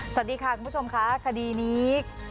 สวัสดีค่ะคุณผู้ชมค่ะคดีนี้